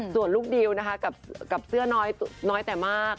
ส่วนลูกดิวนะคะกับเสื้อน้อยแต่มาก